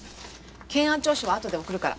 検案調書はあとで送るから。